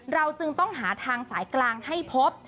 เราจึงต้องหาทางสายกลางให้พบ